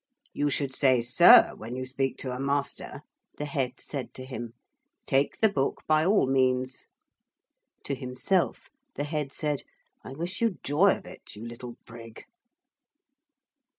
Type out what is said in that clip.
'You should say "sir" when you speak to a master,' the Head said to him. 'Take the book by all means.' To himself the Head said, 'I wish you joy of it, you little prig.'